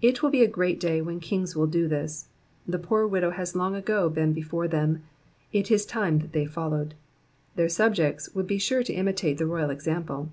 It will be a great day when kings will do this : the poor widow has long ago been before them, it is time that they followed ; their subjects would be sure to imitate the royal example.